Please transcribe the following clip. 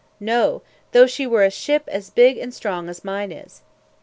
No, though she were a ship as big and as strong as mine is.'